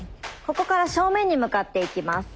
ここから正面に向かっていきます。